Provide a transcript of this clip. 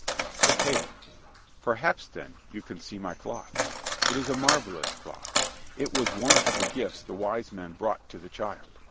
THE TAILOR Perhaps, then, you can see my cloth. It is a marvelous cloth. It was one of the gifts the wise men brought to the Child.